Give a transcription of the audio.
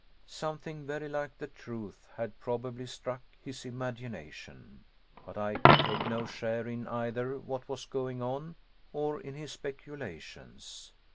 Something very like the truth had probably struck his imagination. But I could take no share in either what was going on, or in his speculations.